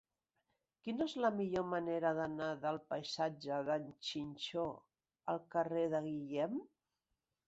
Quina és la millor manera d'anar del passatge d'en Xinxó al carrer de Guillem?